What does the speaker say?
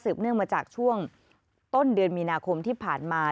เนื่องมาจากช่วงต้นเดือนมีนาคมที่ผ่านมา